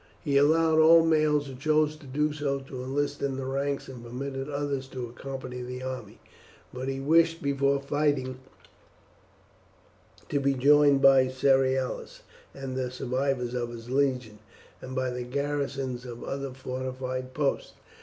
He allowed all males who chose to do so to enlist in the ranks and permitted others to accompany the army, but he wished before fighting to be joined by Cerealis and the survivors of his legion, and by the garrisons of other fortified posts.